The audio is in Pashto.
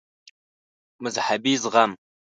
مذهبي زغم